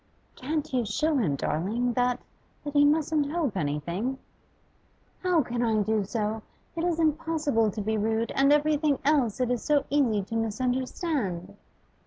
'Can't you show him, darling, that that he mustn't hope anything?' 'How can I do so? It is impossible to be rude, and everything else it is so easy to misunderstand.